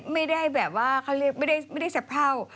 ไม่ได้แบบว่าเขาเรียกไม่ได้สะเพรา